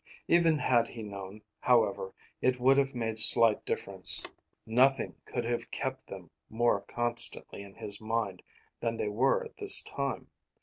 Even had he known, however, it would have made slight difference; nothing could have kept them more constantly in his mind than they were at this time.